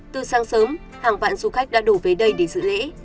từ sáng sớm hàng vạn du khách đã đổ về đây để dự lễ